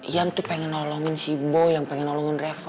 yan tuh pengen nolongin si bo yang pengen nolongin reva